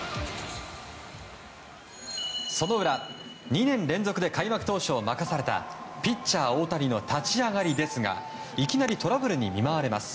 その裏、２年連続で開幕投手を任されたピッチャー大谷の立ち上がりですがいきなりトラブルに見舞われます。